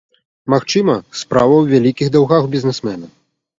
Магчыма, справа ў вялікіх даўгах бізнесмена.